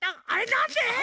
なんで！？